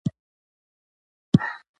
ډېر ډولونه د اهلي کولو وړ نه وو.